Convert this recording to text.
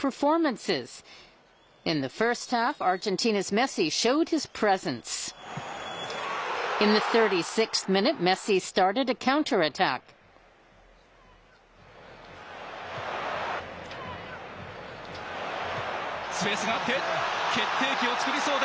スペースがあって、決定機を作りそうだ。